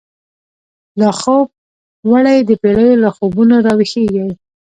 لاخوب وړی دپیړیو، له خوبونو راویښیږی